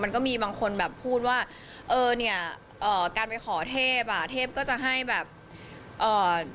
มันก็มีบางคนแบบพูดว่าเออเนี้ยเอ่อการไปขอเทพอ่ะเทพก็จะให้แบบเอ่อ